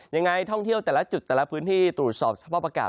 ยังไงท่องเที่ยวแต่ละจุดแต่ละพื้นที่ตรวจสอบสภาพอากาศ